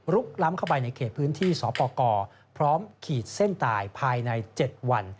ล้ำเข้าไปในเขตพื้นที่สปกรพร้อมขีดเส้นตายภายใน๗วัน